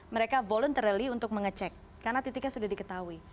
mereka voluntarily untuk mengecek karena titiknya sudah diketahui